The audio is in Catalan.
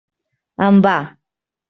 En va.